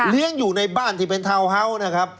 เลี้ยงอยู่ในบ้านที่เป็นทาวน์ฮาว